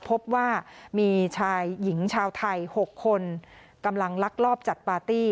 พบว่ามีชายหญิงชาวไทย๖คนกำลังลักลอบจัดปาร์ตี้